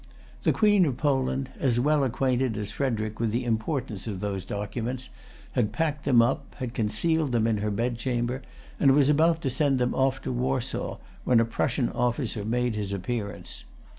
The Queen of Poland, as well acquainted as Frederic with the importance of those documents, had packed them up, had concealed them in her bedchamber, and was about to send them off to Warsaw, when a Prussian officer made his appearance.